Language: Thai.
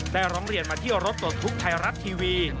ร้องเรียนมาเที่ยวรถปลดทุกข์ไทยรัฐทีวี